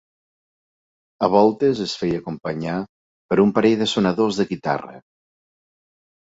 A voltes es feia acompanyar per un parell de sonadors de guitarra.